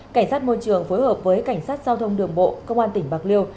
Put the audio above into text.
cảnh sát môi trường phối hợp với cảnh sát giao thông đường bộ công an tỉnh bạc liêu